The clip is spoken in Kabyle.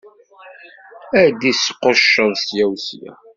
Ad d-isqucceḍ sya u sya.